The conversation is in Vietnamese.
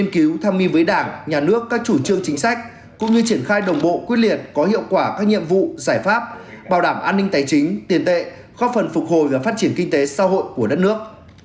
cũng như triển khai đồng bộ quyết liệt có hiệu quả các nhiệm vụ giải pháp bảo đảm an ninh tài chính tiền tệ góp phần phục hồi và phát triển kinh tế xã hội của đất nước